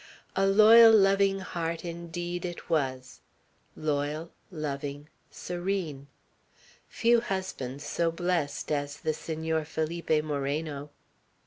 A loyal, loving heart indeed it was, loyal, loving, serene. Few husbands so blest as the Senor Felipe Moreno.